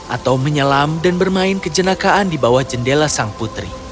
atau menyelam dan bermain kejenakaan di bawah jendela sang putri